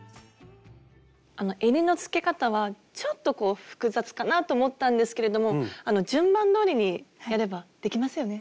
えりのつけ方はちょっと複雑かなと思ったんですけれども順番どおりにやればできますよね？